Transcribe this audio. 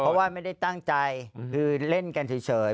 เพราะว่าไม่ได้ตั้งใจคือเล่นกันเฉย